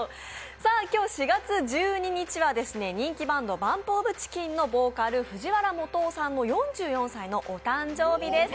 今日４月１２日は人気バンド・ＢＵＭＰＯＦＣＨＩＣＫＥＮのボーカル・藤原基央さんの４４歳のお誕生日です。